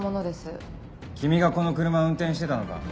君がこの車を運転してたのか？